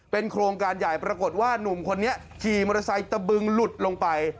โครงการใหญ่ปรากฏว่านุ่มคนนี้ขี่มอเตอร์ไซค์ตะบึงหลุดลงไป